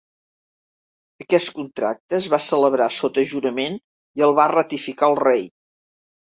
Aquest contracte es va celebrar sota jurament i el va ratificar el Rei.